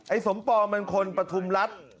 สมปองมันคนปฐุมรัฐ